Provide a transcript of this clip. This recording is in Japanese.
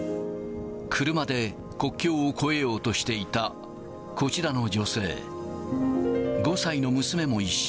車で国境を越えようとしていたこちらの女性。